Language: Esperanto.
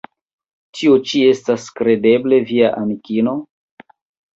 Tio ĉi estas kredeble via amikino?